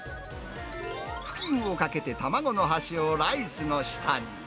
布巾をかけて、卵の端をライスの下に。